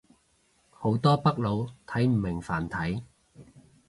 好多北佬睇唔明繁體